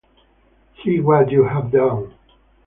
See what you have done!